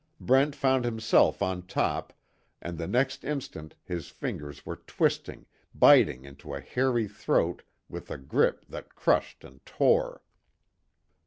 Brent found himself on top, and the next instant his fingers were twisting, biting into a hairy throat with a grip that crushed and tore.